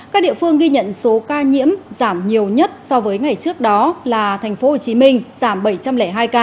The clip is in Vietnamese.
các địa phương ghi nhận số ca nhiễm giảm nhiều nhất so với ngày trước đó là tp hcm giảm bảy trăm linh hai ca